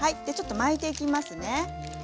でちょっと巻いていきますね。